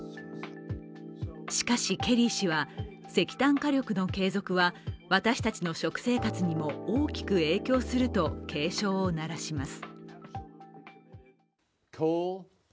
しかし、ケリー氏は石炭火力の継続は私たちの食生活にも大きく影響すると警鐘を鳴らします。